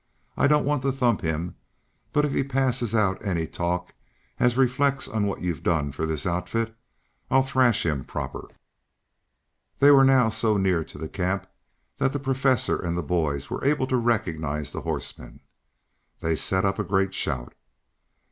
I don't want to thump him, but, if he passes out any talk as reflects on what you've done for this outfit, I'll thrash him proper." They were now so near to the camp that the Professor and the boys were able to recognize the horsemen. They set up a great shout.